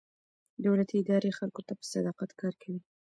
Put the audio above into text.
دولتي ادارې خلکو ته په صداقت کار کوي.